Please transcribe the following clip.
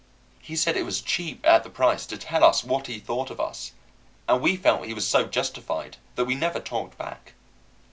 He said it was cheap at the price to tell us what he thought of us; and we felt he was so justified that we never talked back.